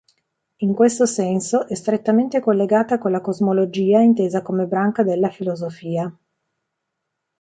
In questo senso, è strettamente collegata con la cosmologia intesa come branca della filosofia.